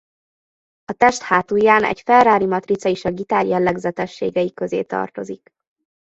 A test hátulján egy Ferrari matrica is a gitár jellegzetességei közé tartozik.